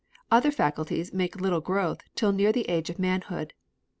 Other faculties make little growth till near the age of manhood.